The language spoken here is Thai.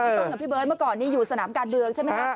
ต้นกับพี่เบิร์ตเมื่อก่อนนี้อยู่สนามการเมืองใช่ไหมคะ